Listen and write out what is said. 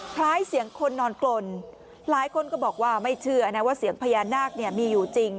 คล้ายเสียงคนนอนกลนหลายคนก็บอกว่าไม่เชื่อนะว่าเสียงพญานาคเนี่ยมีอยู่จริง